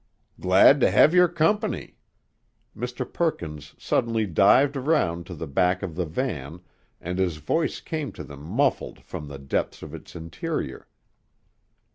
"Glad ter hev your company." Mr. Perkins suddenly dived around to the back of the van and his voice came to them muffled from the depths of its interior.